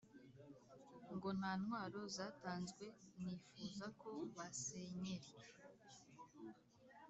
ngo nta ntwaro zatanzwe, nifuza ko basenyeri